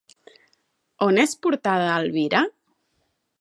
On és portada Elvira?